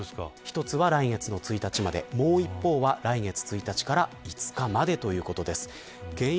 一つは来月の１日までもう一方は来月１日から５日までということです。